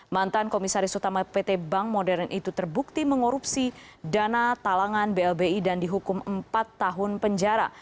mantan komisaris utama pt bank modern itu terbukti mengorupsi dana talangan blbi dan dihukum empat tahun penjara